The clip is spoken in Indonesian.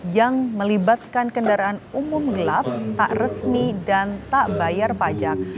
yang melibatkan kendaraan umum gelap tak resmi dan tak bayar pajak